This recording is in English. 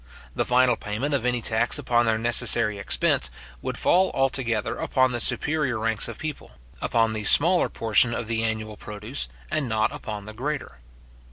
The final payment of any tax upon their necessary expense, would fall altogether upon the superior ranks of people; upon the smaller portion of the annual produce, and not upon the greater.